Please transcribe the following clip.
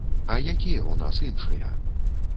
А якія ў нас іншыя?